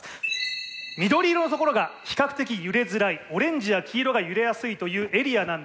緑色のところが比較的揺れづらいオレンジや黄色が揺れやすいというエリアなんですが。